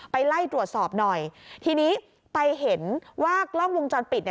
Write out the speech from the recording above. ไล่ตรวจสอบหน่อยทีนี้ไปเห็นว่ากล้องวงจรปิดเนี่ย